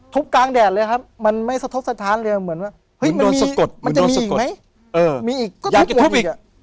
ทุบกลางแดดเลยครับมันไม่ทุบสถานเลยเหมือนว่ามันมีมันจะมีอีกไหมมีอีกก็ทุบอีก